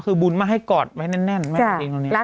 คือบุญมาให้กอดไว้แน่นไม่เอาเองตอนนี้